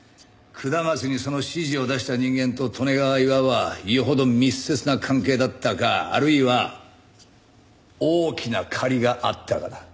下松にその指示を出した人間と利根川巌はよほど密接な関係だったかあるいは大きな借りがあったかだ。